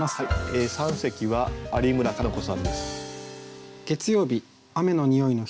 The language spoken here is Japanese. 三席は有村鹿乃子さんです。